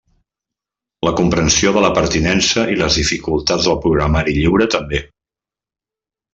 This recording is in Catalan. La comprensió de la pertinència i les dificultats del programari lliure també.